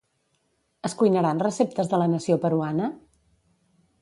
Es cuinaran receptes de la nació peruana?